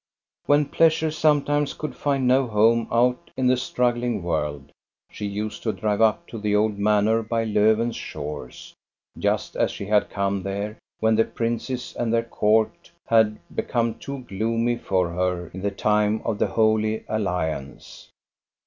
When Pleasure sometimes could find no home out in the struggling world, she used to drive up to the old manor by Lofven's shores, — just as she had come there when the princes and their court had become too gloomy for her in the time of the Holy Alliance.